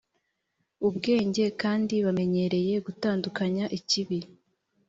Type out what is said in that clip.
ubwenge kandi bamenyereye gutandukanya ikibi